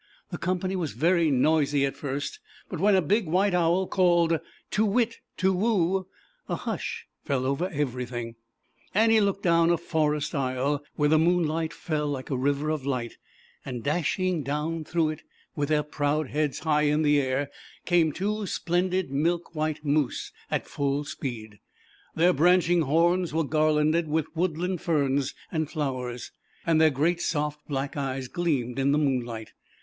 The company was very noisy at first, but when a big white Owl called a hush fell over everytng. Annie looked down a forest , where the moonlight fell like a of light, and dashing down through ZAUBERLINDA, THE WISE WITCH, it, with their proud heads high in came two splendid milk white Moose at full speed. Their branching horns were garlanded with woodland ferns and flowers, and their great soft blacR eye gleamed in the moonlight.